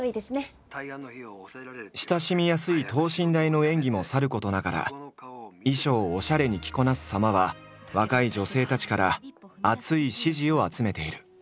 親しみやすい等身大の演技もさることながら衣装をオシャレに着こなすさまは若い女性たちから熱い支持を集めている。